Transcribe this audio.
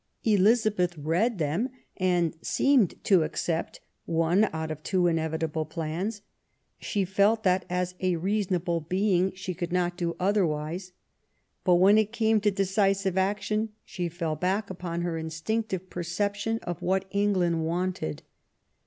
Elizabeth read them and seemed to accept one out of two inevitable plans. She felt that, as a reasonable being, she could not do otherwise. But when it came to decisive action she fell back upon her instinctive perception of what England wanted.